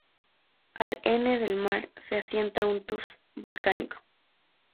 Al N del maar, se asienta un tuff volcánico.